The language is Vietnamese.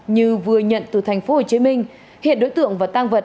như vừa nhận từ thành phố hồ chí minh hiện đối tượng và tăng vật